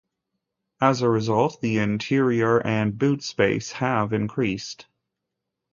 As a result, the interior and boot space have increased.